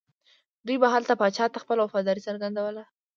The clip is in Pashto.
دوی به هلته پاچا ته خپله وفاداري څرګندوله.